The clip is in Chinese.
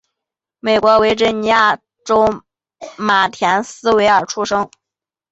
美国维珍尼亚州马田斯维尔出生。